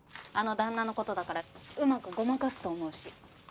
あの旦那の事だからうまくごまかすと思うし。